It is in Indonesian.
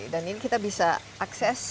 dan ini kita bisa akses